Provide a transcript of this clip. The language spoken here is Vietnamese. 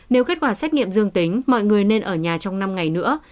nếu kết quả xét nghiệm dương tính mọi người nên ở nhà trong năm ngày nữa